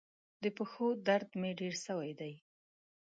د پښو درد مي ډیر سوی دی.